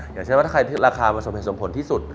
อย่างเช่นว่าถ้าใครราคามันสมเหตุสมผลที่สุด